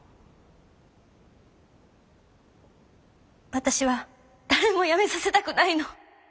私は誰もやめさせたくないの。